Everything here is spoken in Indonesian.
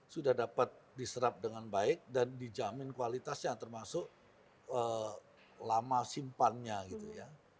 sudah dapat diserap dengan baik dan dijamin kualitasnya termasuk lama simpannya gitu ya